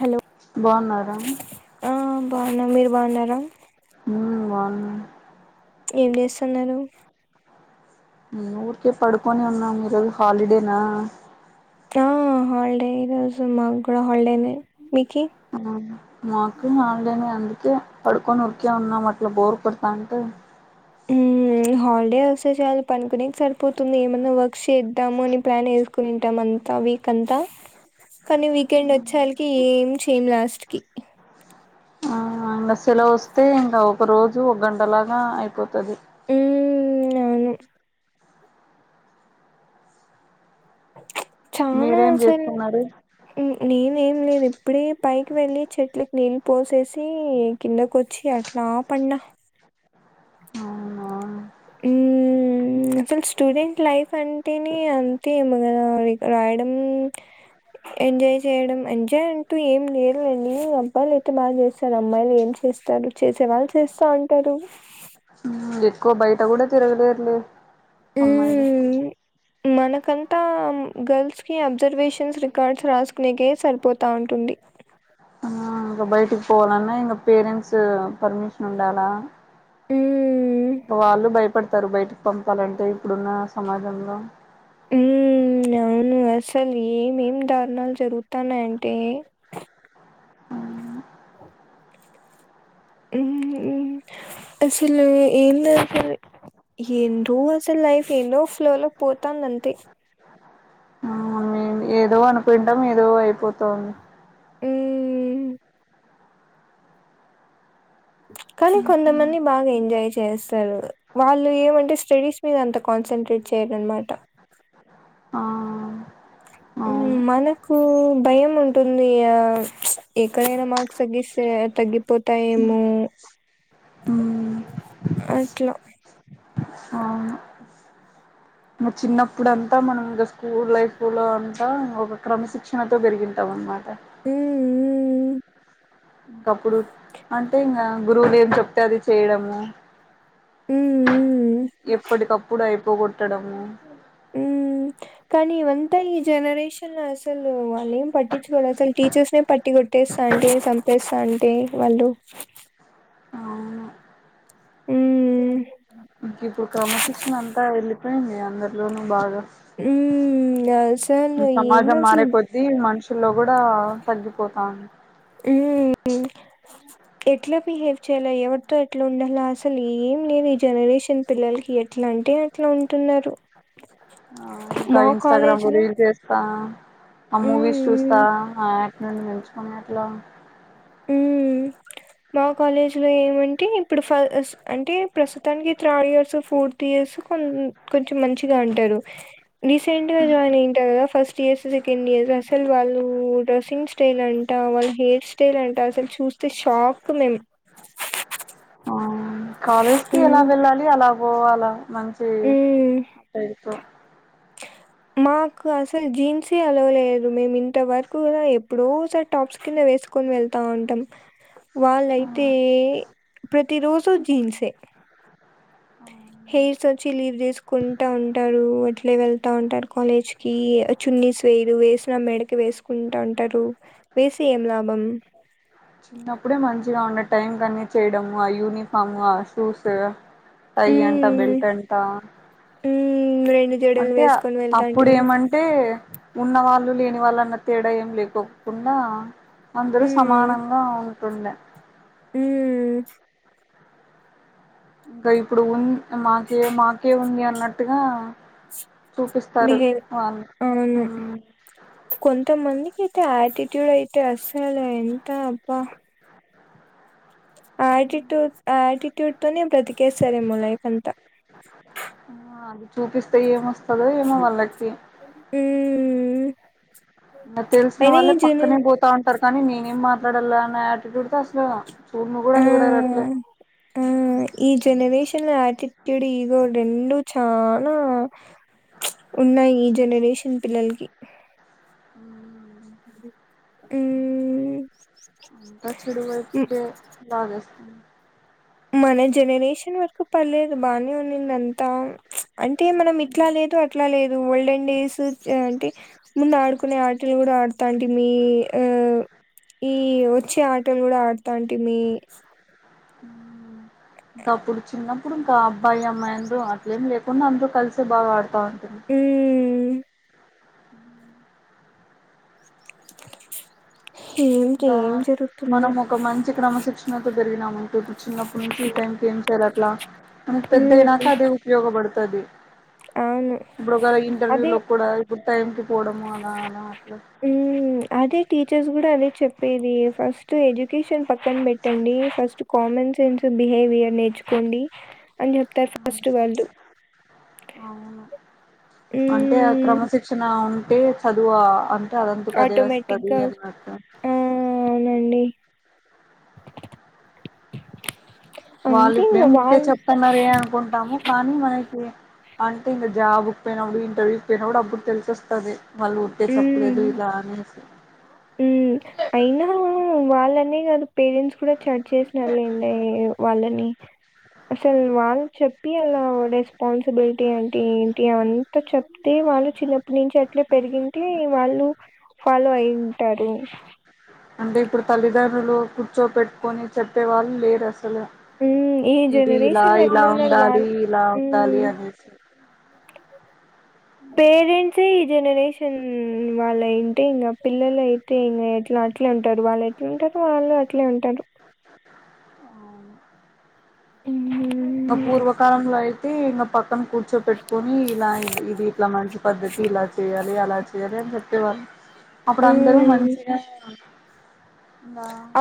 Hello బావున్నారా. బావున్న మీరు బావున్నార మ్మ్ బావున్నా ఏం చేస్తున్నారు ఉహ్మ్ ఊర్ కే పడుకొని ఉన్నా. మీరు హాలిడేనా ఆ హల్డే ఈ రోజు మాక్కూడా హల్డేనే మీక్ ఆహ్ మాకు హాల్డేనే అందుకే పడుకొని ఉరికే ఉన్నం అట్లా బోరు కొడతా అంటే హ్మ్ హాల్డే వస్తే చాలు పనుకునేక్ సరిపోతుంది. ఏమన్నా వర్క్ చేద్దాము అని ప్లాన్ వేసుకొనింటాం. అంత వీక్ అంతా కానీ వీకెండ్ వచ్చేళ్కి ఏం చేయం లాస్ట్ కి ఆ ఇంగా సెలవస్తే ఇంకా ఒక రోజు ఒక గంటలాగా అయిపోతది. ఉమ్ అవును చాలా మీరేం అసలు చేస్తున్నారు ఉమ్ నేనే ఏం లేదు ఇప్పుడే పైకి వెళ్లి చెట్లకి నీళ్ళు పోసేసి కిందకోచ్చి. అట్లా పడ్న. అవునా హ్మ్ అసలు స్టూడెంట్ లైఫ్ అంటేనే అంతే ఏమొగదా. లైక్ రాయడం, ఎంజాయ్ చేయడం. ఎంజాయ్ అంటూ ఏం లేదు లేండి. అబాయ్లయితే బాగా చేస్ స్సల్ అమ్మాయిలు ఏం చేస్తారు. చేసే వాళ్ళు చేస్తా ఉంటారు. క్కువ్ బయట గూడా తిరగలేరులే అమ్మాయిలు హ్మ్. మనకంతా గర్ల్స్ కి అబ్జర్వేషన్స్, రికార్డ్స్ రాసుకునేకే సరిపోతా ఉంటుంది. ఆ ఇంగా బయటకి పోవాలన్నా. ఇంగా పేరెంట్స్ పర్మిషన్ ఉండాలా. హ్మ్. వాళ్ళు భయపడుత్ స్తారు. బయటకు పంపాలంటే ఇప్పుడున్న సమాజంలో మ్మ్ అవును అసలు ఏ మేమ్మ్ దార్నాలు జరుతనాయ్ అంటే అవును అ మ్మ్ మ్మ్ అసలు ఏందో అస్సల్ ఏం రో అసల్ లైఫ్ ఎన్నో ఫ్లోలో పోతాందాంతే అవున్ మేం ఏదో అనుకుంటాం, ఏదో అయిపోతాంది. ఏ ఏ ఏ కానీ కొంతమంది బాగా ఎంజాయ్ చేస్తారు. వాళ్ళు ఏమంటే స్టడీస్ మీద అంత కాన్సన్ంట్రేట్ చేరన్మాట ఆ హ్మ్ అవును అవును మనకు భయం ఉంట్ టుంది. ఆ ఎక్కడైనా మాక్ సగ్గిస్తే తగ్గిపోతాయేమో అట్ల ఆ చిన్నప్పుడు అంతా మనం ఇంకా స్కూల్ లైఫ్ లో, అంతా ఒక క్రమశిక్షణతో పెరిగింటాం అనమాట. మ్ఊ ఇంకప్పుడు అంటే ఇంగ గురువులు ఏం చెప్ అది చేయడము మ్ ఉహు ఎప్పటికప్పుడు అయి పోగొట్టడము ఊమ్ కానీ ఇవంతా ఈ జనరేషన్లో అసలు వాళ్ళు ఏం పట్టించుకోరు. అసలు టీచర్స్ నే పట్టి కొట్టేస్తాంటి. చంపేస్తాంటి. వాళ్ళు అవును ఊమ్ ఇంక ఇప్పుడు క్రమశిక్షణ అంతా వెళ్ళిపోయింది. అందరిలోనూ బాగా. హ్మ్. అసలు సమాజం ఏందసలు మారే కొద్ది మనుషు ల్లో కూడా తగ్గిపోతాంది ఉమ్ ఎట్లా బిహేవ్ చేయాల ఎవరితో ఎట్ల ఉండాల అస్ అసలు ఏం లేదు ఈ జనరేషన్ పిల్లలకి ఎట్లా అంటే అట్లా ఉంటున్నారు. ఆ ఇంకా మా ఇన్స్టాగ్రామ్ లో కాలేజ్‌లో రీల్ చేస్తా. ఆ హ్మ్. మూవీస్ చూస్తా. హ్మ్. నేన్ నంచుకునే అట్లా ఉమ్ మా కాలేజీ లో ఏమంటే ఇప్పుడు ఫల్ అంటే ప్రస్తుతానికి థర్డ్ ఇయర్స్, ఫోర్త్ ఇయర్స్ కొ కొంచెం మంచిగా అంటారు. రీసెంట్గా జాయిన్ అయింటారు కదా ఫస్ట్. సిఎస్ఇ సెకండ్ ఇయర్ అసలు వాళ్ళు డ్రస్సింగ్ స్టైల్ అంటా వాళ్ళు హెయిర్స్ టెల్ అంట అసలు చూస్ ఆ కాలేజ్ కి ఎలా హ్మ్. వెళ్ళాలి అలా పోవాల మంచి హ్మ్. అట్టయితా మాకు అసలు జీన్సే అలో లేదు. మేము ఇంతవరకు కూడా ఎప్పుడోసారి టాప్స్ కింద వేసుకొని వెళ్తా ఉంటాం. ఆ వాళ్ళయితే ప్రతి రోజు జీన్సే హెయిర్స్ వచ్చి లీవ్ చేసుకుంటా ఉంటారు అట్లే వెళ్ ఉంటా ఉంటరు. కాలేజ్ కి చున్నీస్ వేరు వేసిన మెడకి వేసుకుంటా ఉంటారు. వేసి ఏం లాభం. చిన్నప్పుడే మంచిగా ఉండ టైం కన్ని చేయడము ఆ యూనిఫాము ఆ షూస్ టై అంట బెల్ట్ అంట ఉ రెం అంటే అప్పుడు ఏమంటే ఉన్నవాళ్ళు లేని వాళ్ళు అన్న తేడా ఏం లేకోకుండా అందురు సమానంగావు ఉండా హ్మ్ ఇంకా ఇప్పుడు ఉన్ మాకే మాకే ఉంది అ నట్టుగా బిహెవే అవును కొంతమందికి. టటిట్యూడ్ అయితే అస్సలు ఎంత అబ్బా ఆటిట్యూడ్ ఆటిట్యూడ్ తోనే బ్రతికేస్తారేమో లైఫ్ అంతా ఆహ్ అది చూపిస్తే ఏం మొస్తాదో ఏమో వాళ్ళకి మ్మ్ తెలిసిన వాళ్ళే పక్కనే బోతాంట్ర్ కానీ నేనేం మాట్లాడాల ఆటిట్యూడ్ తో అస్సల చూడన్ గూడా ఆ చూడరు రట్లే ఆటిట్యూడ్ ఈగో రెండు చానా ఉన్నాయి ఈ జనరేషన్ పిల్లలకి మ్మ్ ఇది వ్ మ్మ్మ్మ్ అంత చెడు వైపుకే లాగెస్ మ్మ్ మన జనరేషన్ వరకు పర్లేదు బానే ఉన్నింది అంతా. అంటే మనం ఇట్లా లేదు అట్లా లేదు. ఓల్డెన్ డేస్ చా టి ముందు ఆడుకునే ఆటలు గూడా ఆ తాంటి మీ ఆహ్ ఈ వచ్చే ఆటలు గూడా ఆ తాంటి మీ కప్పుడు చిన్న ఇప్పుడు ఇంకా అబ్బాయి అమ్మాయి అన్రు అట్ల ఏం లేదు. మొన్న అందరు కలిసి బాగ ఆడ్ బాంటంది హ్మ్ ఏంటి గా ఏం జరుగుతుందో మనం ఒక మంచి క్రమశిక్షణతో పెరిగినామనుకో చిన్నప్పుడు నుంచి ఈ టైమ్ కి ఏం చేయలో అ. ల మనం హ్మ్ పెద్దాయినాక అదే ఉపయోగ బడు తది అవును ఇప్పుడొక ఇంటర్వ్యూ అదే లో కూడా పు టైమ్ కు పోడము అలా అలా అడ్రస్ పేది ఫస్ట్ ఎడిట్ కిషన్ పక్కన పెట్టండి, ఫస్ట్ కామన్ సెన్స్ బిహేవియర్ నేర్ చుకోండి అంటే హ్మ్ క్రమశిక్షణ ఉ టే చదువా అం రాదనుకుంట అదే వస్తది ఆటోమేటిక్గా అన్నట్టు ఆ అవునండి వాళ్ళు అంతే ఇంగ ఇప్పుడేమి ఊరికే వాళ్ళు చెప్తాన్నారే అనుకుంటాము, కానీ మనకి అంటే ఇంగ జాబ్కి పోయినప్పుడు ఇంటర్వ్యూ పోయిన కూడ అప్పుడు తెలిసి వస్తది. వాళ్ళు ఊరికే చెప్పలేదు హ్మ్ ఇలా అని హ్మ్ అయినా వాళ్ళనే కాదు పేరెంట్స్ కూడా చట్ చేసినార్ లేండి వాళ్ళని అసల్ వాల్ చెప్ చెప్పి అలో రెస్పాన్సిబిలిటీ అంటే ఏంటి అ అంతా చెప్తే, వాళ్ళు చిన్నప్పటి నుంచి అట్లే పెరిగింటే వాళ్ళు ఫాలో అయింది. టరు అంటే ఇప్పుడు తల్లిదండ్రులు కూర్చో పెట్టుకొని చెప్పే వాళ్ళు లేరస్ సలు మ్మ్ ఈ ఇది ఇలా జనరేషన్ ఇలా ఎట్లున్నారు ఉండాలి, వాళ్ళు ఇలా ఉండాలి మ్మ్ అనేసి. పేరెంట్సే ఈ జనరేషన్ వాళ్ళ అయింటె ఇంగ పిల్లలు అయితే ఇంగ ఎట్లా అట్లే ఉంటరు వాళ్ళు ఎట్లా ఉంటరు వాళ్ళు అట్లే ఉంటారు. ఉమ్ మ పూర్వకాలంలో అయి తే ఇంగ ప మొత్తం కూర్చో పెట్టుకని ఇలా అయింది, ఇది ఇట్లా మంచి పద్ధతి ఇలా చేయాలి అలా [unintelligible] చెప్పేవాళ్ళు అప్పుడు అందరూ మ్మ్ మంచిగా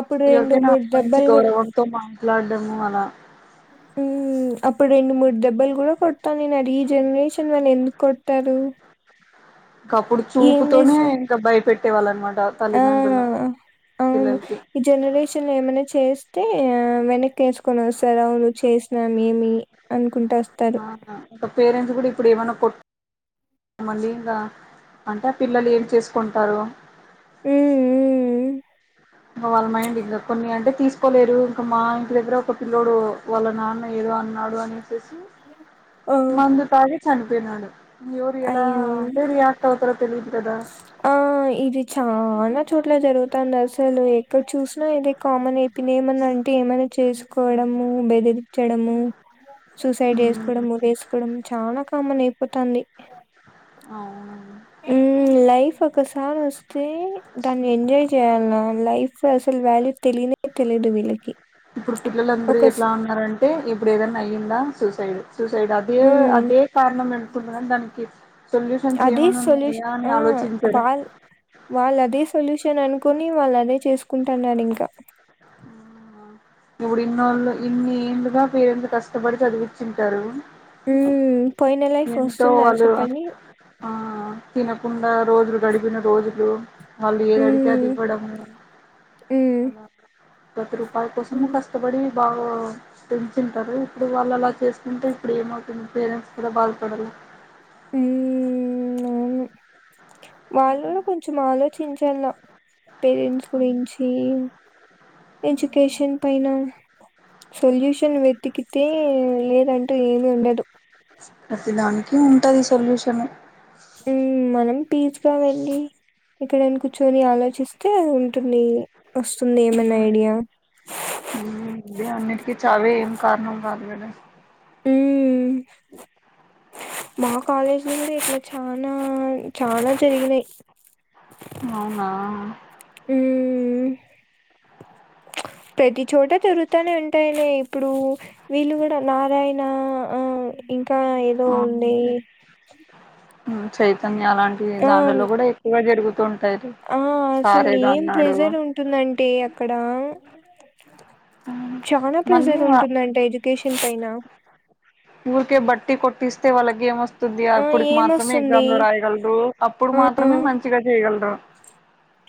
అప్పుడు రెండు ఎవరికైన మూడు మంచి దెబ్బలు కూడా గౌరవంతో మా లాడ్డము అలా ఉమ్ అప్పుడు రెండు మూడు దెబ్బలు కూడా కొడతాన్నారు, ఈ జనరేషన్ వాళ్ళు ఎందుకు కొట్టరు? ఇంక అప్పుడు చూపుతోనే ఇంకా భయపెట్ సే వాళ్ళన్నమాట ఆ అవును ఈ జనరేషన్ ఏమన్న చేస్తే ఆ వెనక్కి వేసుకొని వస్తారు అవును చేసినాం ఏమి అని ఆ పేరెంట్స్ కూడా ఇప్పుడు ఏమైన్నా కొట్టమడి ఇంకా అంటే ఆ పిల్లలు ఏం చేసుకుంటారు హ ఒకోలేరు ఇంకా మా ఇంటి దగ్గర ఒక పిల్లడు వాళ్ళ నాన్న ఏదో అన్నాడు అని ఓ మందు తాగి చని పోయినాడు ఎవరి ఎలా అయ్యో అంటే రియాక్ట్ అవుతారో తెలియదు కదా ఆ ఇది చా చోట్ల జరుగుతా అసలు ఇక్కడ చూసినా ఇదే కామన్ అయి ఇని ఏమన్నా అంటే ఏమైనా చేసు కోవడము బెదిరించడము సూసైడ్ హ్మ్. వేసుకోవడం వురేకోవడం చాలా కామన్ అయిపోతుంది అవును లైఫ్ ఒకసారి వస్తే దాన్ని ఎంజాయ్ చేయ్యాల లైఫ్ సల్ వాల్యూ తిలేనీ ఇప్పుడు పిల్లలందరూ ఒక స్ ఎట్లా ఉన్నారంటే ఇప్పుడు ఏదైనా అయ్యిందా సూసైడ్ సూసైడ్ అదే మ్మ్ అదే కారణం ఎనుకుంటుని దానికి సొల్యూషన్స్ అదే ఏమన్నా ఉన్నాయా సొల్యూషన్ అని ఆ ఆలోచించారు వాళ్ వాళ్ళు అదే సొల్యూషన్ అనుకుని వాళ్ళ అదే చేసు కుంటున్నాడు ఇంకా ఇప్పుడు ఇన్నోళ్ళు ఇన్ని ఏండ్లుగా పేరెంత కష్టపడి చదివచ్చింటారు హ ఏంటో వాళ్ళు ఆ తినకుండా రోజులు గడిపిన రోజులు మళ్ళు ఏది అడితే అది మ్మ్ ఇవ్వడము అ మ్మ్ పక్కరు ప కోసం మ్మ్ కష్టపడి బాగా పెంచుతారు ఇప్పుడు వాళ్ళు అలా చేసుకుంటే ఇప్పుడు ఏమవుతుంది పేరెంట్స్ కూడా బాగా స అ వాళ్ళలో కొంచెం ఆలోచ చించల్ పేరెంట్స్ గురించి ఎడ్యుకేషన్ పైన సొల్యూషన్ వెతికితే లేదంటూ ఏమి ఉండదు ప్రతి దానికి ఉంటది సొల్యూషన్ పీస్ గా వెండి ఎక్కడైనా కూర్చొని ఆలోచిస్తే ఉంటుంది వస్తుంది ఏమన్నా ఐడియా అ అన్నిటికీ చవే ఏం కారణం కాదు వడ మా కాలేజీ నుం ఇట్లా చనా చానా జరిగినాయి అవునా ప్రతి చోట తిరుగుతూనే ఉంటాయి లో ఇప్పుడు వీళ్ళు కూడా నారాయణ ఆ ఇంకా ఏదో ఉంది చైతన్ అలాంటి ఆ దాంట్లో కూడా ఎక్కువగా జరుగుతుంది ఆ అసలు ఏం ప్లేజలు ఉంటుందంటే అక్కడ హ్మ్ చాలా మళ్ళీ ప్రెజర్ ఉంటుందంటే ఎడ్యుకేషన్ పైన ఊరక బట్టీ కొటిస్త వాలగే మ ది ఆ అప్పుడుకి మాత్రమే ఏమొస్తుంది ఎగ్జామ్ లో రాయగలదు అప్పుడు మాత్రం ఆ అత్రమే మంచిగా చేయగలదు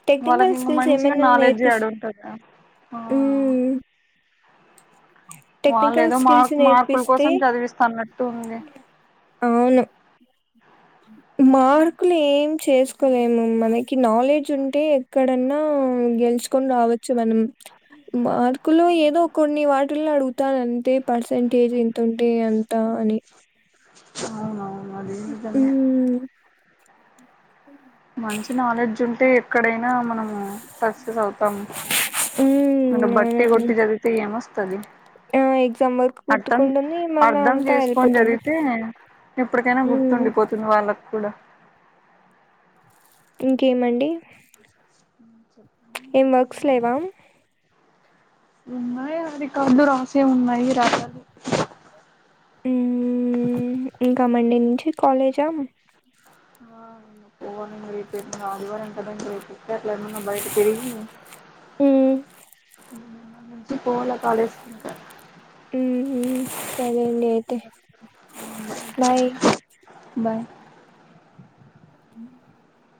టెక్నికల్ వాళ్ళకి ఇంకా స్కిల్స్ మంచిగా నాలెడ్జ్ డు ఉంటుంది హమ్ వాళ్ళు ఏదో స్కిల్స్ మార్క్ మార్కుల నేర్పిస్తే కోసం చదివిస్తున్నట్టు ఉంది అవును మార్కులు ఏం చేసుకోలేము మనకి నాలెడ్జ్ ఉంట అంటే ఎక్కడన్నా గెలుచుకొని రావచ్చు మనం మార్కులు ఏదో కొన్ని వాటిల్లో అడుగుత చతంటే పర్సంటేజ్ ఎంత ఉంటే ఎంత అని అవునవును అ అదితన్న అ మంచి నాలెడ్జ్ ఉంటే ఎక్కడైనా మనం ఆ సక్సెస్ అవుతాం అంటే మ్మ్ బట్టి అవునండి కొట్టి చదితే ఏమొస్తుది ఆ ఎగ్జామ్ వర్క్ అర్థం గుర్తుకుంటుంది మళ్ళా అర్ధం అంతా చేసుకొని వెళ్ళిపోతుంది చదివితే ఎప్పటికైనా మ్మ్ గుర్తుండిపోతుంది వాళ్ళకు కూడా ఇంకేమండి చె ఏం వర్క్స్ లేవా ఉన్నాయి అది కాదు రాసేవున్నాయి రాయ్ ల ఉమ్ ఇంకా మండే నుంచి కాలేజా ఆ పోమండి రేపు ఆదివారం కదండి కేట్లా ఏమన్నా బయట తరిగి ఉమ్ పోలే కాాలేజ్ కి [inaudible] ఉమ్ ఉ సరే అండి అయితే బాయ్ బాయ్ [unintelligible]